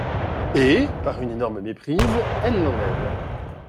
Et, par une énorme méprise, elle l'enlève.